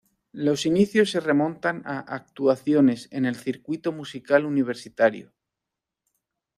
Los inicios se remontan a actuaciones en el circuito musical universitario.